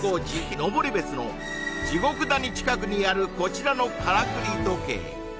登別の地獄谷近くにあるこちらのからくり時計